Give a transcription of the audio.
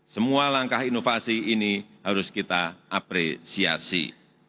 semua langkah inovasi ini harus kita apresiasi